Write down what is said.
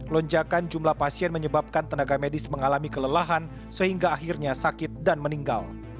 lonjakan jumlah pasien menyebabkan tenaga medis mengalami kelelahan sehingga akhirnya sakit dan meninggal